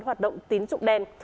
hoạt động tín dụng đen